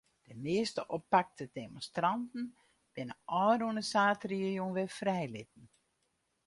De measte oppakte demonstranten binne ôfrûne saterdeitejûn wer frijlitten.